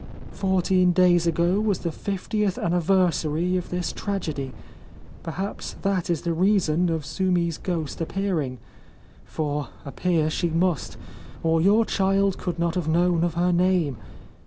Fourteen days ago was the fiftieth anniversary of this tragedy. Perhaps that is the reason of Sumi's ghost appearing ; for appear she must, or your child could not have known of her name.